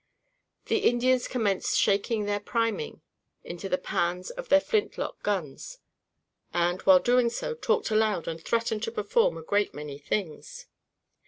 The Indians commenced shaking their priming into the pans of their flint lock guns, and, while doing so, talked loud and threatened to perform a great many things.